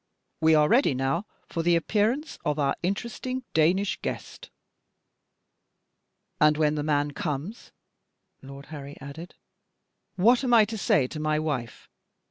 We are ready now for the appearance of our interesting Danish guest." "And when the man comes," Lord Harry added, "what am I to say to my wife?